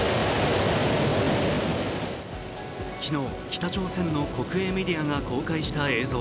昨日、北朝鮮の国営メディアが公開した映像。